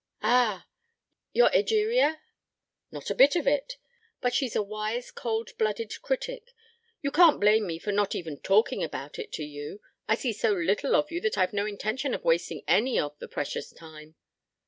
"Ah? Your Egeria?" "Not a bit of it. But she's a wise cold blooded critic. You can't blame me for not even talking about it to you. I see so little of you that I've no intention of wasting any of the precious time."